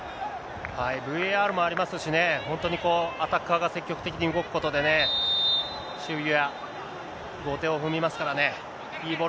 ＶＡＲもありますしね、本当にこう、アタッカーが積極的に動くことでね、守備は守備が後手を踏みますからね。